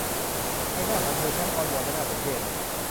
ใบหน้าของเธอช่างอ้อนวอนและน่าสมเพช